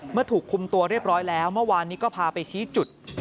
เมื่อถูกคุมตัวเรียบร้อยแล้วเมื่อวานนี้ก็พาไปชี้จุด